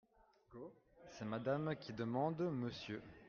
C’est Madame qui demande Monsieur.